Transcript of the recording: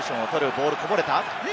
ボールこぼれた。